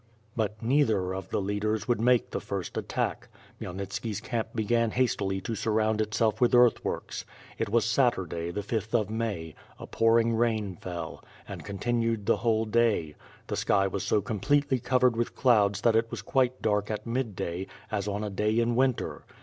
I>ut neither of the leaders would make the first attack. Khmyelnitski's camp began hastily to surround itself with earthworks. Tt was Saturday, the fifth of May, a pouring rain fell, and continued the whole day; the sky was so completely covered with clouds that it was quite dark at midday, as on a day in winter.